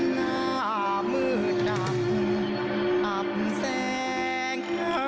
ห้างหน้ามืดดำอำแสง